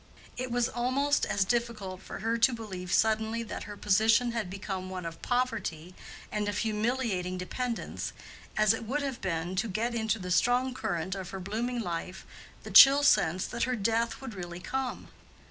It was almost as difficult for her to believe suddenly that her position had become one of poverty and of humiliating dependence, as it would have been to get into the strong current of her blooming life the chill sense that her death would really come.